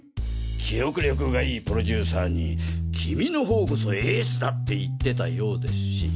記憶力がいいプロデューサーに「君の方こそエースだ」って言ってたようですし。